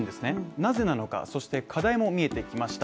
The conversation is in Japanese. なぜなのかそして課題も見えてきました